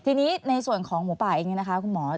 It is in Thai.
ทีนี้ในส่วนของหัวปลายเองนะคะคุณหมอ